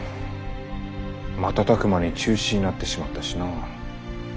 瞬く間に中止になってしまったしな。